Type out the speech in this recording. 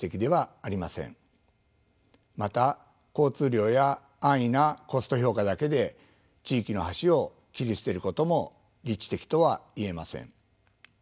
また交通量や安易なコスト評価だけで地域の橋を切り捨てることも理知的とは言えません。